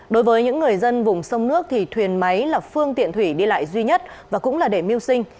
đối với những người dân vùng sông nước thì thuyền máy là phương tiện thủy đi lại duy nhất và cũng là để mưu sinh